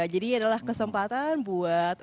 jadi adalah kesempatan buat